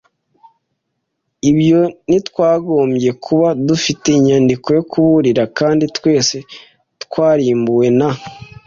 ibyo, ntitwakagombye kuba dufite inyandiko yo kuburira kandi twese twarimbuwe na